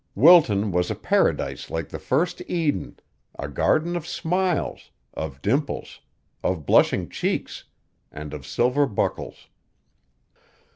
Wilton was a paradise like the first Eden a garden of smiles, of dimples, of blushing cheeks and of silver buckles.